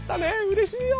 うれしいよ！